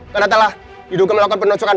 karena telah hidup melakukan penelusuran